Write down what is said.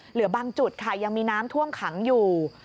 เหลือบางจุดค่ะยังมีน้ำท่วมขังอยู่